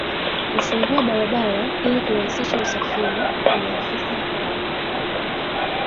kufungua barabara ili kurahisisha usafiri kuna afisa hao